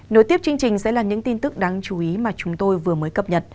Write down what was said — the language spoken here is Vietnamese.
nối tiếp chương trình sẽ là những tin tức đáng chú ý mà chúng tôi vừa mới cập nhật